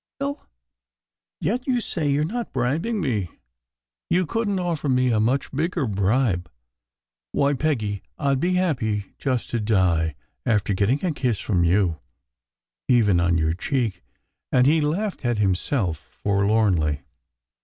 "You will? Yet you say you re not bribing me ! You couldn t offer me a much bigger bribe. Why, Peggy, I d be happy just to die after getting a kiss from you even on your cheek! " and he laughed at himself forlornly.